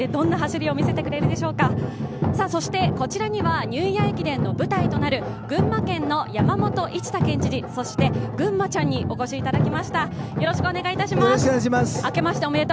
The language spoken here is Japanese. こちらにはニューイヤー駅伝の舞台となる群馬県の山本一太県知事、そして、ぐんまちゃんにお越しいただきました。